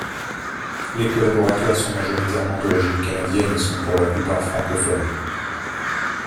Les collaborateurs sont majoritairement d'origine canadienne et sont pour la plupart francophones.